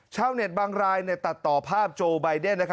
ชาวเน็ตบังรายในตัดต่อภาพโจว์บายเดน